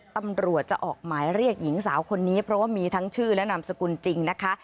ตำรวจจะออกหมายเรียกหญิงสาวคนนี้เพราะว่ามีทั้งชื่อและนามสกุลจริงนะคะ